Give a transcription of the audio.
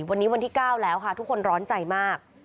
วันนี้วันที่๙แล้วค่ะทุกคนร้อนใจมาก